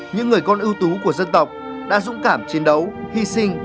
những người con ưu tú của dân tộc đã dũng cảm chiến đấu hy sinh